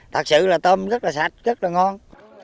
thật sự là tôm rất là sạch rất là ngon